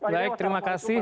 baik terima kasih